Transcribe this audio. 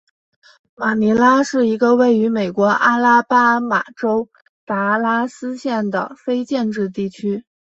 马尼拉是一个位于美国阿拉巴马州达拉斯县的非建制地区。